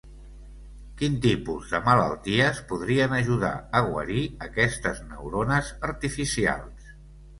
Quin tipus de malalties podrien ajudar a guarir aquestes neurones artificials?